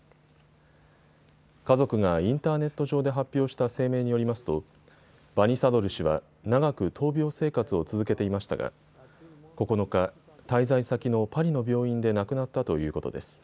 家族がインターネット上で発表した声明によりますとバニサドル氏は長く闘病生活を続けていましたが９日、滞在先のパリの病院で亡くなったということです。